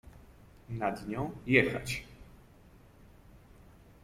Nad nią — „jechać”.